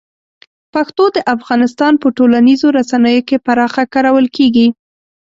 پښتو د افغانستان په ټولنیزو رسنیو کې پراخه کارول کېږي.